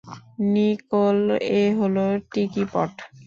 Nicole, এ হলো টিকি পট।